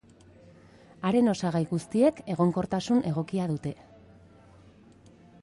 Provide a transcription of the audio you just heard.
Haren osagai guztiek egonkortasun egokia dute.